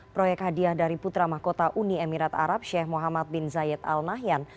proyek hadiah dari putra mahkota uni emirat arab sheikh muhammad bin zayed al nahyan